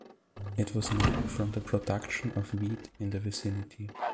It was named from the production of wheat in the vicinity.